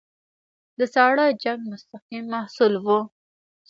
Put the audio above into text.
د ساړه جنګ مستقیم محصول وو.